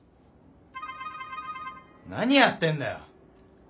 何やってんだよ？